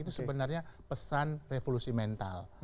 itu sebenarnya pesan revolusi mental